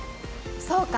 そうか！